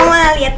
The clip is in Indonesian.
mama lihat deh